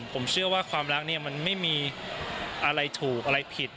ผมเชื่อว่าความรักเนี่ยมันไม่มีอะไรถูกอะไรผิด